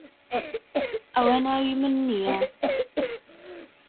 ئەوە ناوی من نییە.